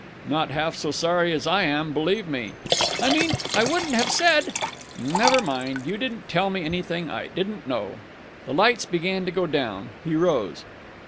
"Not half so sorry as I am, believe me!" "I mean, I wouldn't have said...." "Never mind. You didn't tell me anything I didn't know." The lights began to go down. He rose.